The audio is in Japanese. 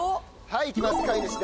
はい行きます。